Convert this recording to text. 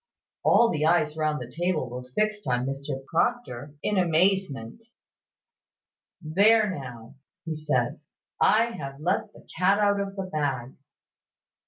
All the eyes round the table were fixed on Mr Proctor in an instant. "There now!" said he, "I have let the cat out of the bag.